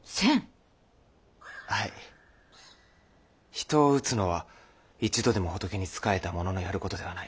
人を打つのは一度でも仏に仕えたもののやることではない。